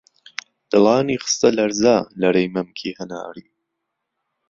دڵانی خستە لەرزە، لەرەی مەمکی هەناری